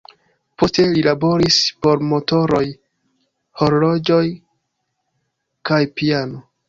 Poste li laboris por motoroj, horloĝoj kaj piano.